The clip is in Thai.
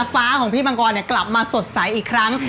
ฟ้าของพี่มังกรกลับมาสดใสอีกครั้ง